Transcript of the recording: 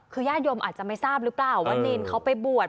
คือญาติโยมอาจจะไม่ทราบหรือเปล่าว่าเนรเขาไปบวช